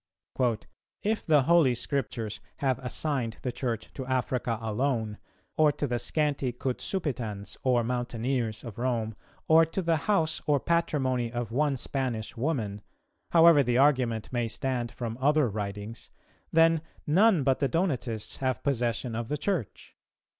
"If the holy Scriptures have assigned the Church to Africa alone, or to the scanty Cutzupitans or Mountaineers of Rome, or to the house or patrimony of one Spanish woman, however the argument may stand from other writings, then none but the Donatists have possession of the Church.